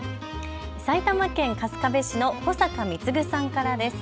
埼玉県春日部市の保坂三継さんからです。